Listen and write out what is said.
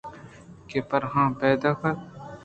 کہ پرآہاں پیداک اَت